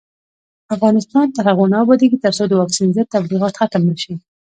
افغانستان تر هغو نه ابادیږي، ترڅو د واکسین ضد تبلیغات ختم نشي.